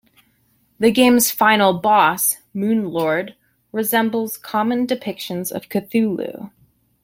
The game's final boss, Moon Lord, resembles common depictions of Cthulhu.